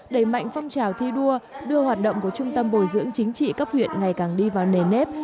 đẩy mạnh phong trào thi đua đưa hoạt động của trung tâm bồi dưỡng chính trị cấp huyện ngày càng đi vào nề nếp